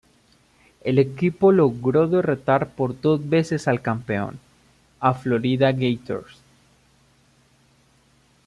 El equipo logró derrotar por dos veces al campeón, a Florida Gators.